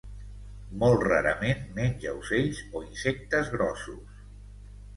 Molt rarament menja ocells o insectes grossos.